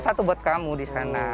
satu buat kamu di sana